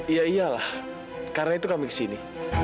iya iyalah karena itu kami kesini